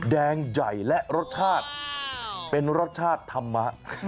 แดงใหญ่และรสชาติเป็นรสชาติธรรมะ